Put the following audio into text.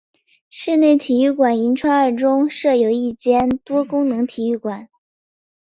室内体育馆银川二中设有一间多功能体育馆。